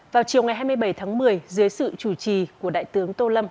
vào chiều ngày hai mươi bảy tháng một mươi dưới sự chủ trì của đại tướng tô lâm